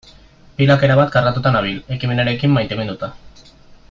Pilak erabat kargatuta nabil, ekimenarekin maiteminduta.